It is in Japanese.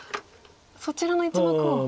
そちらの１目を。